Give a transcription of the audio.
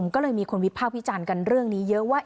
ก็เลยมีคุณวิภาพพี่จันทร์กันเรื่องนี้เยอะว่า